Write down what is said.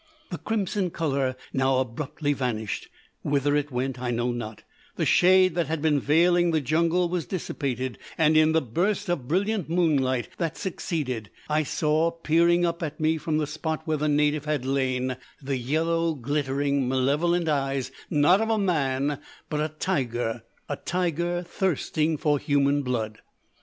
The crimson colour now abruptly vanished whither it went I know not the shade that had been veiling the jungle was dissipated, and in the burst of brilliant moonlight that succeeded I saw, peering up at me, from the spot where the native had lain, the yellow, glittering, malevolent eyes, not of a man, but a tiger a tiger thirsting for human blood.